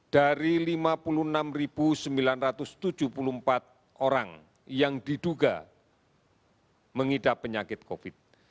dari lima puluh enam sembilan ratus tujuh puluh empat orang yang diduga mengidap penyakit covid